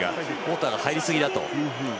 ウォーターが入りすぎだと。